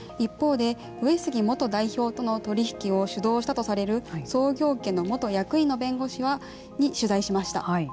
一方で上杉元代表との取り引きを主導したとされる創業家の元役員の弁護士に取材しました。